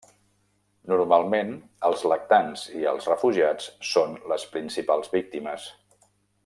Normalment els lactants i els refugiats són les principals víctimes.